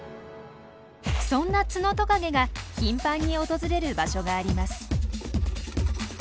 そんなツノトカゲが頻繁に訪れる場所があります。